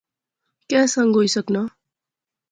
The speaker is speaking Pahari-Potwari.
کہہ سنگ ہوئی سکنا